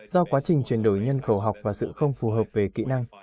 do quá trình chuyển đổi nhân khẩu học và sự không phù hợp về kỹ năng